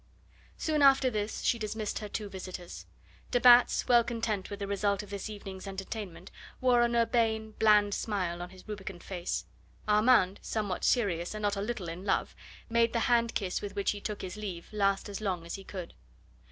Soon after this she dismissed her two visitors. De Batz, well content with the result of this evening's entertainment, wore an urbane, bland smile on his rubicund face. Armand, somewhat serious and not a little in love, made the hand kiss with which he took his leave last as long as he could.